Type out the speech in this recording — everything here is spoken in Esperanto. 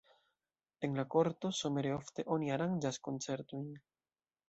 En la korto somere ofte oni aranĝas koncertojn.